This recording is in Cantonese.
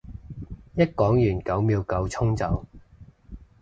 一講完九秒九衝走